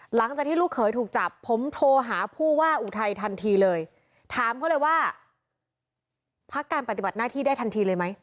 หลังจากที่ลูกเขยถูกจับผมโทรหาผู้ว่าอุทัยทันทีเลยถามเขาเลยว่าพักการปฏิบัติหน้าที่ได้ทันทีเลยไหม